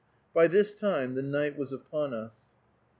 By this time the night was upon us.